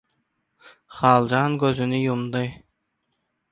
Haljan gözüni ýumdy.